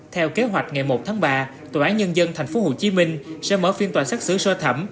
theo kế hoạch ngày một tháng ba tòa án nhân dân tp hcm sẽ mở phiên toàn xét xử sơ thẩm